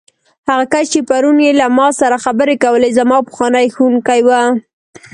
هغه کس چې پرون یې له ما سره خبرې کولې، زما پخوانی ښوونکی و.